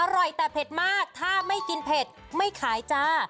อร่อยแต่เผ็ดมากถ้าไม่กินเผ็ดไม่ขายจ้า